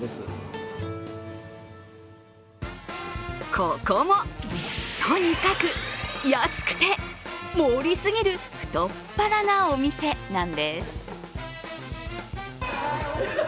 ここも、とにかく安くて盛り過ぎる太っ腹なお店なんです。